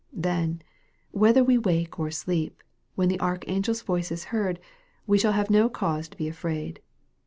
Then, whether we wake or sleep, when the archangel's voice is heard, we shall have no cause to be afraid.